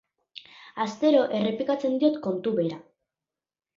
Astero errepikatzen diot kontu bera.